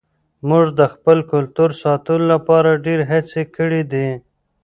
موږ د خپل کلتور ساتلو لپاره ډېرې هڅې کړې دي.